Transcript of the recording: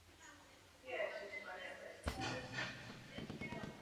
Plně funkční má být asi po třech měsících od startu.